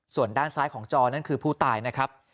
ส่วนด้านซ้ายของจอนั่นคือผู้ตายนะครับ